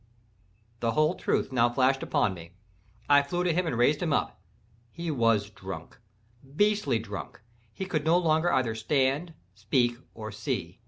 The whole truth now flashed upon me. I flew to him and raised him up. He was drunk—beastly drunk—he could no longer either stand, speak, or see.